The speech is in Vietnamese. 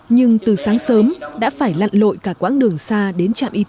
nhưng từ sáng sớm đã phải lặn lội cả quãng đường xa đến trạm y tế